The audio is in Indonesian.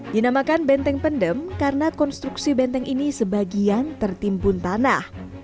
dinamakan benteng pendem karena konstruksi benteng ini sebagian tertimbun tanah